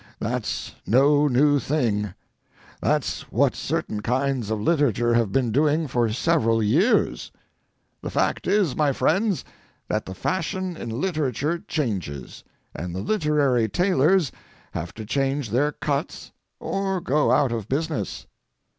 That's no new thing. That's what certain kinds of literature have been doing for several years. The fact is, my friends, that the fashion in literature changes, and the literary tailors have to change their cuts or go out of business.